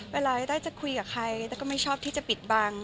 เวลาต้อยจะคุยกับใครแล้วก็ไม่ชอบที่จะปิดบัง